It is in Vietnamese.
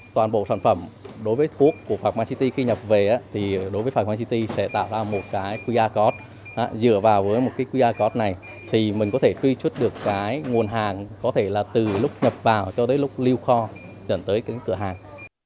toàn bộ sản phẩm đối với thuốc của phạm man city khi nhập về thì đối với phạm quang city sẽ tạo ra một cái qr code dựa vào với một cái qr code này thì mình có thể truy xuất được cái nguồn hàng có thể là từ lúc nhập vào cho tới lúc lưu kho dẫn tới cái cửa hàng